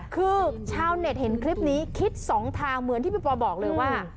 คือชาวเน็ตเห็นคลิปนี้คิดสองทางเหมือนที่พี่ปอบอกเลยว่า